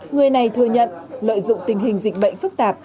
người này thừa nhận lợi dụng tình hình dịch bệnh phức tạp